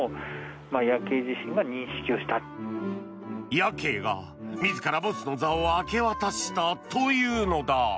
ヤケイが自らボスの座を明け渡したというのだ。